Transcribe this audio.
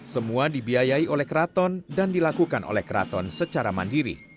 semua dibiayai oleh keraton dan dilakukan oleh keraton secara mandiri